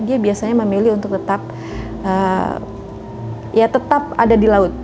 dia biasanya memilih untuk tetap ya tetap ada di laut